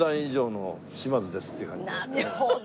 なるほど。